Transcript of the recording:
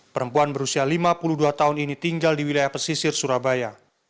perempuan berusia lima puluh dua tahun ini tinggal di wilayah pesisir surabaya